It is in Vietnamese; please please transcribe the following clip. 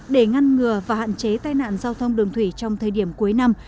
để ngăn ngừa và hạn chế tai nạn giao thông đường thủy trong thời điểm cuối năm